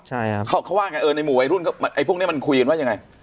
ใช่ครับเขาเขาว่าไงเออในหมู่วัยรุ่นไอ้พวกนี้มันคุยกันว่ายังไง